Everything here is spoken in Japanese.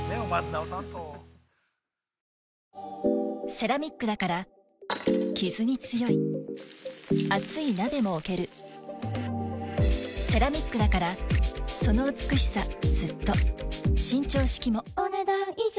セラミックだからキズに強い熱い鍋も置けるセラミックだからその美しさずっと伸長式もお、ねだん以上。